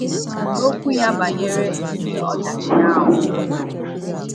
N'okwu ya banyere ihe ọdachi ahụ